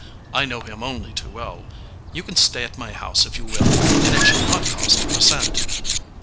"I know him only too well. You can stay at my house if you will, and it shall not cost you a cent."